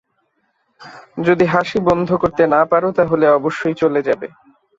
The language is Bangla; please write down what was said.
যদি হাসি বন্ধ করতে না পার তাহলে অবশ্যই চলে যাবে।